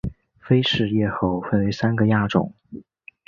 菲氏叶猴分成三个亚种